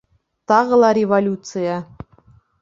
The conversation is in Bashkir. Тағы ла революция